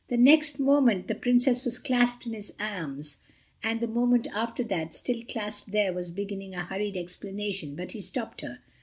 Next moment the Princess was clasped in his arms, and the moment after that, still clasped there, was beginning a hurried explanation; but he stopped her.